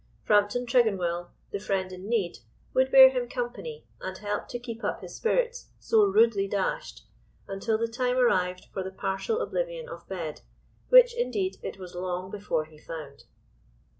Frampton Tregonwell, the friend in need, would bear him company and help to keep up his spirits so rudely dashed until the time arrived for the partial oblivion of bed, which, indeed, it was long before he found.